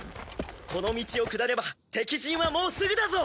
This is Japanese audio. この道を下れば敵陣はもうすぐだぞ！